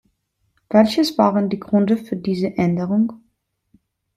Welches waren die Gründe für diese Änderung?